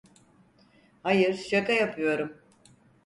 Hayır, şaka yapıyorum.